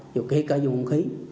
dù ký cả dùng khí